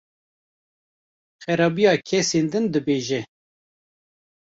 Xerabiya kesên din dibêje.